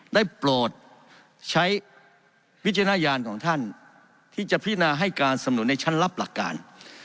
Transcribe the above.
ได้โปรดใช้วิจารณญาณของท่านที่จะพินาให้การสำนุนในชั้นรับหลักการ